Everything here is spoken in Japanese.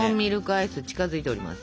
アイス近づいております。